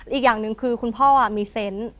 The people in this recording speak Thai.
อีกอย่างหนึ่งคือคุณพ่อมีเซนต์